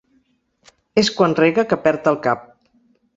És quan rega que perd el cap.